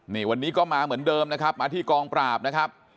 นี่วันนี้ก็มาเหมือนเดิมนะครับมาที่กองปราบนะครับ